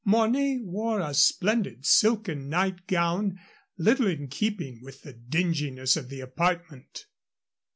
Mornay wore a splendid silken night gown, little in keeping with the dinginess of the apartment.